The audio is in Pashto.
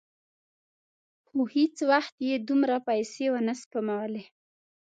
خو هېڅ وخت یې دومره پیسې ونه سپمولې.